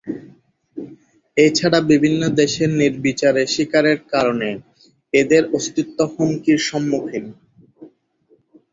এছাড়া বিভিন্ন দেশে নির্বিচারে শিকারের কারণে এদের অস্তিত্ব হুমকির সম্মুখীন।